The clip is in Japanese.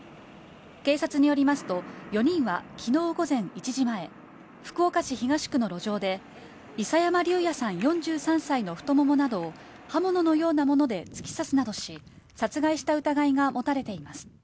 警察によりますと、４人はきのう午前１時前、福岡市東区の路上で諌山竜弥さん４３歳の太ももなどを刃物のようなもので突き刺すなどし、殺害した疑いが持たれています。